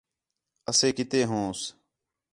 اَسے کِتے ہونس؟